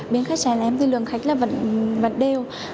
bên khách sạn em dư luận khách là vẫn đều